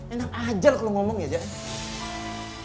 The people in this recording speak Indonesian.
enak aja lah lo ngomong ya jalan